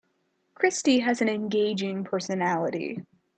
Christy has an engaging personality.